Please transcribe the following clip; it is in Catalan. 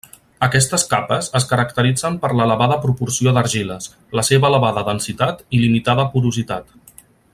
Aquestes capes es caracteritzen per l'elevada proporció d'argiles, la seva elevada densitat i limitada porositat.